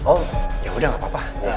oh ya udah gak apa apa